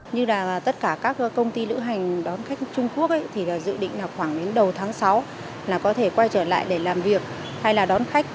như là tất cả các công ty lữ hành đón khách trung quốc thì dự định là khoảng đến đầu tháng sáu là có thể quay trở lại để làm việc hay là đón khách